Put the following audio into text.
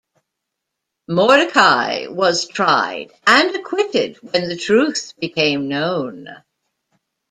Mordechai was tried, and acquitted when the truth became known.